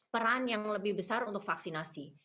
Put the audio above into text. peran yang lebih besar untuk vaksinasi